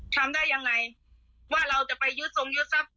ทำได้ยังไงว่าเราจะไปยึดทรงยึดทรัพย